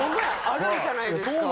あるんじゃないですか？